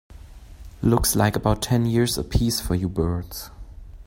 Looks like about ten years a piece for you birds.